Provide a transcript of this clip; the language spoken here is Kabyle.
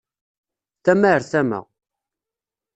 Tama ɣer tama.